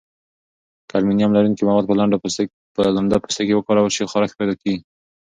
که المونیم لرونکي مواد په لنده پوستکي وکارول شي، خارښت پیدا کېږي.